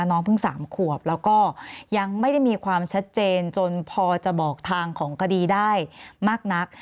น้องเพิ่ง๓ขวบแล้วก็ยังไม่ได้มีความชัดเจนจนพอจะบอกทางของคดีได้มากนัก